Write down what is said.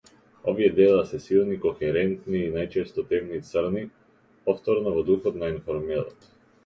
Овие дела се силни, кохерентни и најчесто темни, црни, повторно во духот на енформелот.